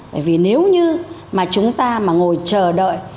bởi vì nếu như mà chúng ta mà ngồi chờ đợi